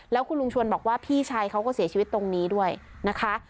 แล้วคุณลุงชวนบอกว่าพี่ชายเขาก็เสียชีวิตตรงนี้ด้วยนะคะ